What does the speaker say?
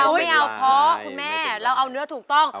ไม่เอาเพราะคุณแม่เราเอาเนื้อถูกต้อง